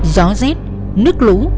gió rét nước lũ